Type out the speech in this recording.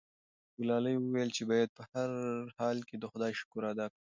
ګلالۍ وویل چې باید په هر حال کې د خدای شکر ادا کړو.